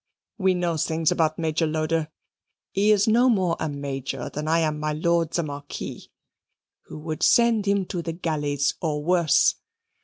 We know things about Major Loder (he is no more a Major than I am my Lord the Marquis) which would send him to the galleys or worse.